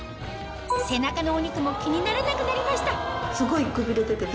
背中のお肉も気にならなくなりましたすごい。